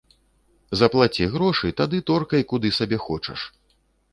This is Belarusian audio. Заплаці грошы, тады торкай, куды сабе хочаш!